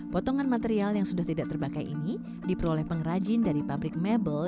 potongan material yang sudah tidak terbakai ini diperoleh pengrajin dari pabrik mebel